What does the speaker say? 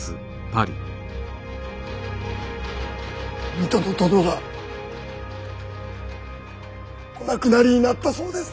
水戸の殿がお亡くなりになったそうです。